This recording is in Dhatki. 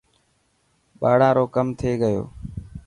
ٻاڙا رو ڪم ٿي گيو.